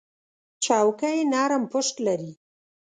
چوکۍ نرم پُشت لري.